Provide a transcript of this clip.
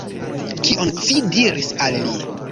Kion ci diris al li?